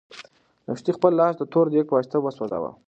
لښتې خپل لاس د تور دېګ په واسطه وسوځاوه.